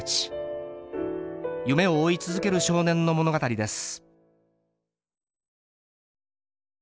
夢を追い続ける少年の物語です。